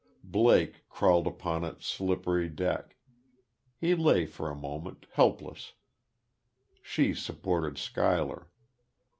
Blake crawled upon its slippery deck. He lay for a moment, helpless; she supported Schuyler.